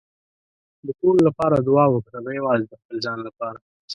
د ټولو لپاره دعا وکړه، نه یوازې د خپل ځان لپاره.